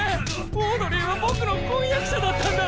オードリーは僕の婚約者だったんだ！